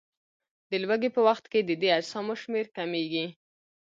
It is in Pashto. د لوږې په وخت کې د دې اجسامو شمېر کمیږي.